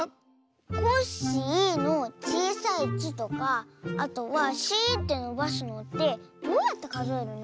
「コッシー」のちいさい「ッ」とかあとは「シー」ってのばすのってどうやってかぞえるの？